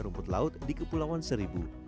rumput laut di kepulauan seribu